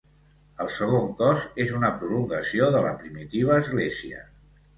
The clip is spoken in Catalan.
El segon cos és una prolongació de la primitiva església.